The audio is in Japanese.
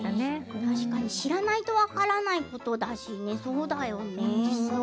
確かに知らないと分からないことだよね。